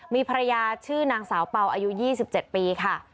มีภรรยาชื่อนางสาวเป่าอายุ๒๗ปีค่ะ